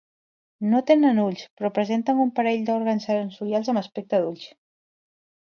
No tenen ulls, però presenten un parell d'òrgans sensorials amb aspecte d'ulls.